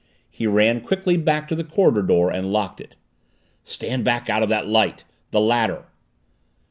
He ran quickly back to the corridor door and locked it. "Stand back out of that light! The ladder!"